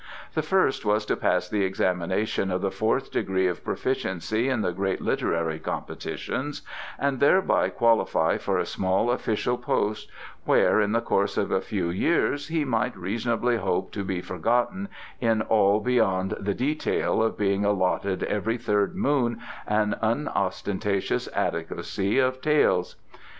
The first was to pass the examination of the fourth degree of proficiency in the great literary competitions, and thereby qualify for a small official post where, in the course of a few years, he might reasonably hope to be forgotten in all beyond the detail of being allotted every third moon an unostentatious adequacy of taels.